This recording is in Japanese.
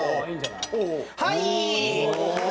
はい！